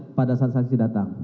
ada siapa aja pada saat saksi datang